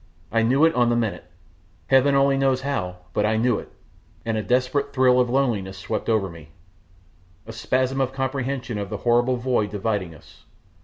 I knew it on the minute, Heaven only knows how, but I knew it, and a desperate thrill of loneliness swept over me, a spasm of comprehension of the horrible void dividing us.